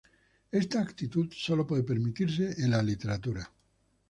Esta actitud solo puede permitirse en la literatura.